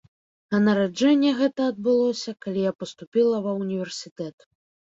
А нараджэнне гэта адбылося, калі я паступіла ва універсітэт.